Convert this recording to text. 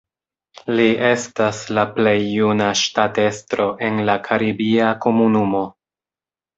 Li estas la plej juna ŝtatestro en la Karibia Komunumo.